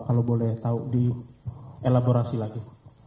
kalau boleh tahu di elaborasi lagi